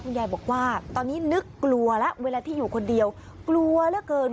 ยายบอกว่าตอนนี้นึกกลัวแล้วเวลาที่อยู่คนเดียวกลัวเหลือเกิน